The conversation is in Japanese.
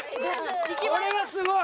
これはすごい！